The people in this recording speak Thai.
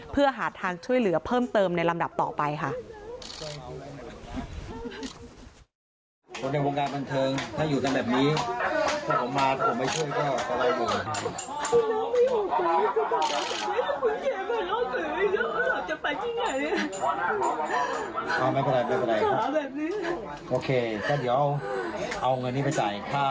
เพื่อหาทางช่วยเหลือเพิ่มเติมในลำดับต่อไปค่ะ